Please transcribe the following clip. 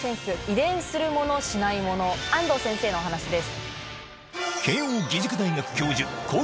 安藤先生のお話です。